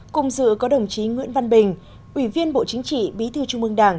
cùng dự có đồng chí nguyễn văn bình ủy viên bộ chính trị bí thư trung mương đảng